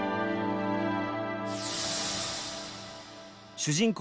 主人公